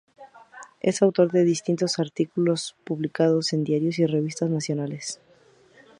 Es Autor de distintos artículos publicados en diarios y revistas nacionales.